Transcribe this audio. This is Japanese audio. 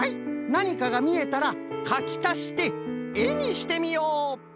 なにかがみえたらかきたしてえにしてみよう。